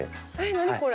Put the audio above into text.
何これ？